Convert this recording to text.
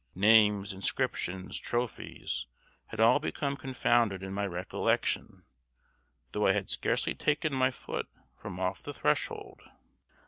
Names, inscriptions, trophies, had all become confounded in my recollection, though I had scarcely taken my foot from off the threshold.